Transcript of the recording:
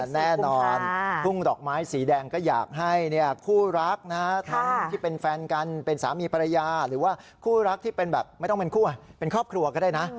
แน่นอนทุ่งดอกไม้สีแดงก็อยากให้คู่รักทั้งที่เป็นแฟนกันเป็นสามีภรรยาหรือว่าคู่รักที่เป็นแบบไม่ต้องเป็นคู่เป็นครอบครัวก็ได้นะ